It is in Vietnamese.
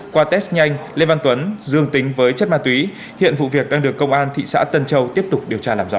qua test nhanh lê văn tuấn dương tính với chất ma túy hiện vụ việc đang được công an thị xã tân châu tiếp tục điều tra làm rõ